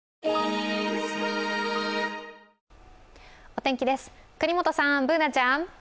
お天気です、國本さん、Ｂｏｏｎａちゃん。